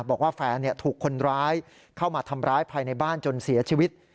บอกว่าแฟนถูกคนร้ายเข้ามาทำร้ายภายในบ้านจนเสียชีวิต